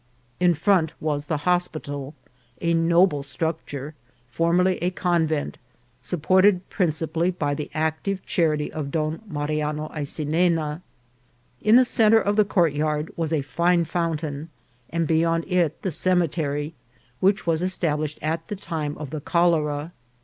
In front was the hospital, a noble structure, formerly a convent, supported principally by the active charity of Don Mariano Aycinena. In the centre of the courtyard was a fine fountain, and beyond it the cemetery, which was established at the time of the cholera.